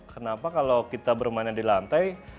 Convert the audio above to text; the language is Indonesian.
kenapa kalau kita bermainnya di lantai